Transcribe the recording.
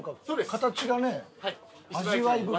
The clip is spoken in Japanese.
形がね味わい深い。